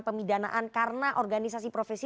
pemidanaan karena organisasi profesi